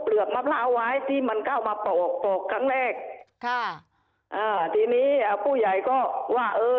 มะพร้าวไว้ที่มันเข้ามาปอกปอกครั้งแรกค่ะอ่าทีนี้อ่าผู้ใหญ่ก็ว่าเออ